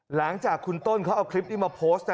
หลังจากคุณต้นเขาเอาคลิปนี้มาโพสต์